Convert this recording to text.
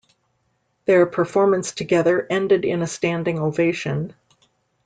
Their performance together ended in a standing ovation.